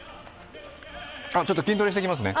ちょっと筋トレしてきますね。